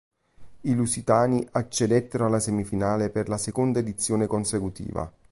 I lusitani accedettero alla semifinale per la seconda edizione consecutiva.